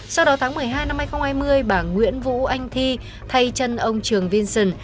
sau đó tháng một mươi hai năm hai nghìn hai mươi bà nguyễn vũ anh thi thay chân ông trường vinson